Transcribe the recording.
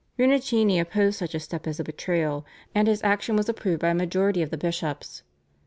Rinuccini opposed such a step as a betrayal, and his action was approved by a majority of the bishops.